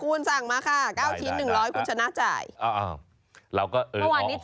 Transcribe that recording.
อะไรนะเกี๊ยวซ่าไปยัง